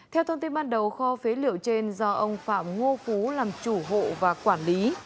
theo thông tin ban đầu kho phế liệu trên do ông phạm ngô phú làm chủ hộ và quản lý